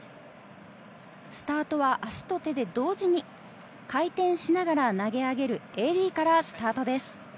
スタートは足と手で同時に回転しながら投げ上げるＡＤからスタートです。